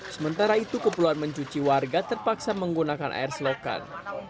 sementara itu keperluan mencuci warga terpaksa menggunakan air selokan